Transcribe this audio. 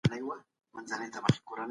اسلام د یووالي او اتحاد بنسټ دی.